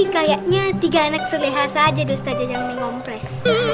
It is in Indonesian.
kayaknya tiga anak seleha saja deh ustaz jah yang mau kompres